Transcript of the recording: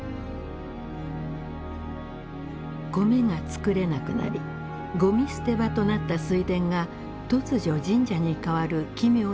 コメが作れなくなりゴミ捨て場となった水田が突如神社に変わる奇妙な物語。